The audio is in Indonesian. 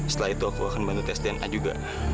setelah itu aku akan bantu tes dna juga